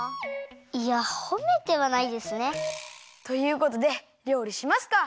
いやほめてはないですね。ということでりょうりしますか。